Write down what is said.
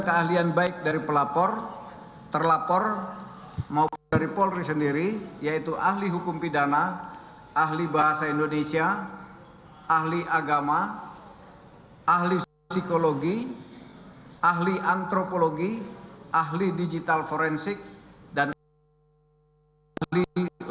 keahlian baik dari pelapor terlapor maupun dari polri sendiri yaitu ahli hukum pidana ahli bahasa indonesia ahli agama ahli psikologi ahli antropologi ahli digital forensik dan ahli kelembagaan